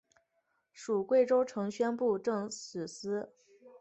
属贵州承宣布政使司。